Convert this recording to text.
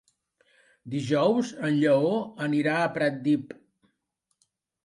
Dijous en Lleó anirà a Pratdip.